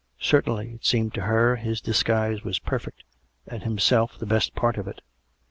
Certain!}', it seemed to her, his disguise was perfect, and himself the best part of it.